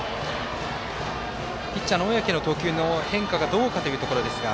ピッチャーの小宅の投球の変化がどうかというところですが。